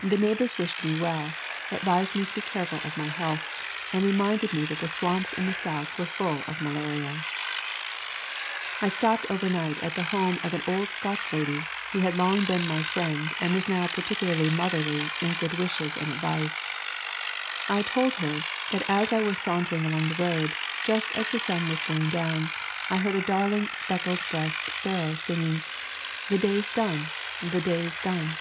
"The neighbors wished me well, advised me to be careful of my health, and reminded me that the swamps in the South were full of malaria. I stopped overnight at the home of anold Scotch lady who had long been my friend and was now particularly motherly in good wishes and advice. I told her that as I was sauntering along the road, just as the sun was going down, I heard a darling speckled breast sparrow singing, "The day's done, the day's done.